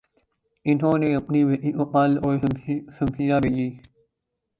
انہوں نے اپنی بیٹی کو پھل اور سبزیاں بھیجی۔